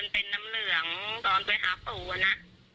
เป็นน้ำเหลืองตอนไปหาปู่อะนะ